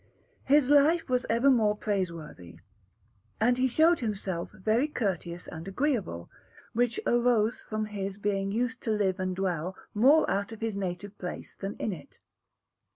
His life was ever most praiseworthy, and he showed himself very courteous and agreeable; which arose from his being used to live and dwell more out of his native place than in it.